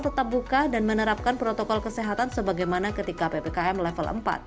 tetap buka dan menerapkan protokol kesehatan sebagaimana ketika ppkm level empat